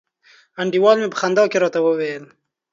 انډیوال می په خندا کي راته وویل